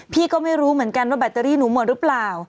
พี่ก็ไม่รู้เหมือนกันว่าแบตเตอรี่หนูหมดหรือเปล่า